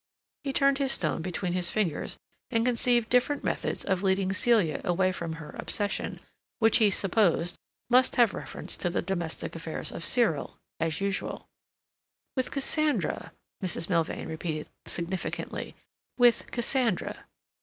He turned his stone between his fingers, and conceived different methods of leading Celia away from her obsession, which, he supposed, must have reference to the domestic affairs of Cyril as usual. "With Cassandra," Mrs. Milvain repeated significantly. "With Cassandra."